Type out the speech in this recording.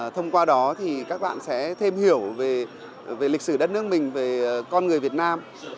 thông qua đó thì các bạn sẽ thêm hiểu về lịch sử đất nước mình về con người việt nam